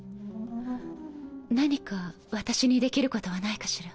何か私にできることはないかしら？